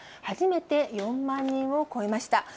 初めて４万人を超えました。